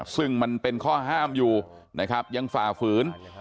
ซึ่งมันเป็นข้อห้ามอยู่นะครับยังฝ่าฝืน